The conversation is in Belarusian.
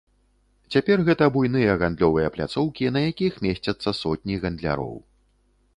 Цяпер гэта буйныя гандлёвыя пляцоўкі, на якіх месцяцца сотні гандляроў.